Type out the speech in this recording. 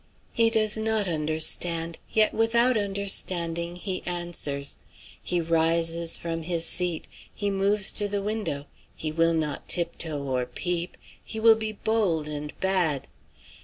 He does not understand. Yet, without understanding, he answers. He rises from his seat; he moves to the window; he will not tiptoe or peep; he will be bold and bad.